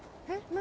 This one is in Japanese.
何？